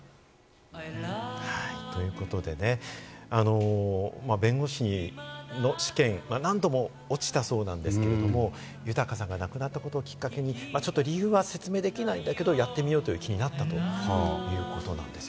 ということでね、弁護士の試験、何度も落ちたそうなんですけれども、豊さんが亡くなったことをきっかけに、ちょっと理由は説明できないんだけれども、やってみようという気になったということなんですよ。